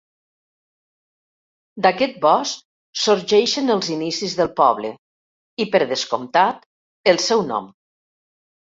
D'aquest bosc sorgeixen els inicis del poble, i per descomptat el seu nom.